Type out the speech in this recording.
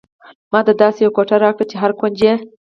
ماته داسې یوه کوټه راکړئ چې هر کونج یې.